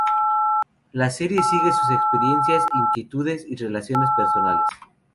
La serie sigue sus experiencias, inquietudes y relaciones personales.